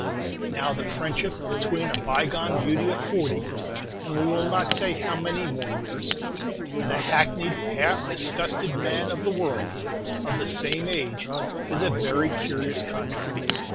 Now, the friendship between a bygone beauty of forty and we will not say how many more years and a hackneyed, half disgusted man of the world, of the same age, is a very curious contract.